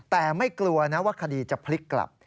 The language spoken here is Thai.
แต่ไม่กลัวนะว่าคดีจะพลิกกลับ